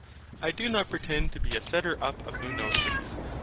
I do not pretend to be a setter up of new notions.